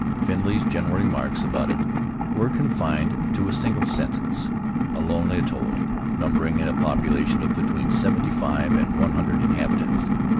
Findlay's general remarks about it were confined to a single sentence, "A lonely atoll, numbering a population of between seventy five and one hundred inhabitants."